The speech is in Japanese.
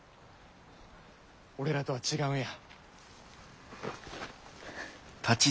俺らとは違うんや。